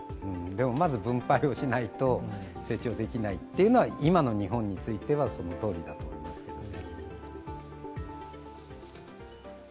まず分配をしないと、成長できないというのは今の日本についてはそのとおりだと思いますけどね。